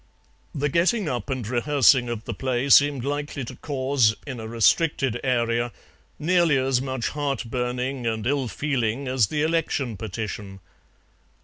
The getting up and rehearsing of the play seemed likely to cause, in a restricted area, nearly as much heart burning and ill feeling as the election petition.